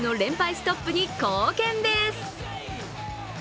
ストップに貢献です。